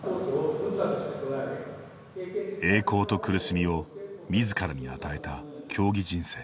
栄光と苦しみをみずからに与えた、競技人生。